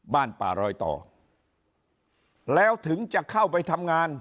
บ้านป่ารอยต่อแล้วถึงจะเข้าไปทำงาน